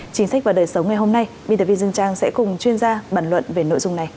chính sách vào đời sống ngày hôm nay btv dương trang sẽ cùng chuyên gia bản luận về nội dung này